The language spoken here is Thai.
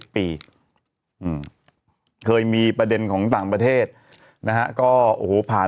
เคยมีประเด็นของต่างประเทศนะฮะก็โอ้โหผ่าน